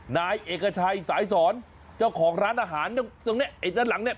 นายเอกชัยสายสอนเจ้าของร้านอาหารตรงเนี้ยไอ้ด้านหลังเนี่ย